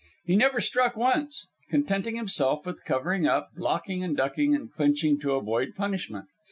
He never struck once, contenting himself with covering up, blocking and ducking and clinching to avoid punishment.